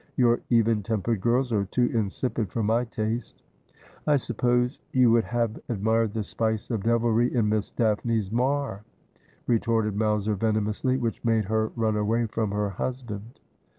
Your even tempered girls are too insipid for my taste.' ' I suppose you would have admired the spice of devilry in Miss Daphne's mar,' retorted Mowser venomously, ' which made her run away from her husband.'